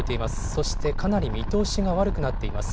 そしてかなり見通しが悪くなっています。